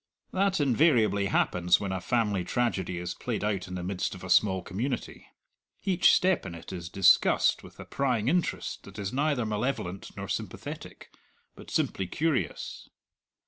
That invariably happens when a family tragedy is played out in the midst of a small community. Each step in it is discussed with a prying interest that is neither malevolent nor sympathetic, but simply curious.